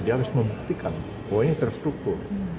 dia harus membuktikan bahwa ini terstruktur